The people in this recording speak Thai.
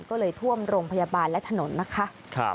ก็เลยท่วมโรงพยาบาลและถนนนะคะ